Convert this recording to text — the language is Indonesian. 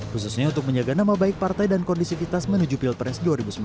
khususnya untuk menjaga nama baik partai dan kondisivitas menuju pilpres dua ribu sembilan belas